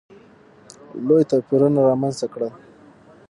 لوی توپیرونه رامځته کړل.